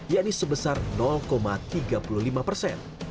yakni sebesar tiga puluh lima persen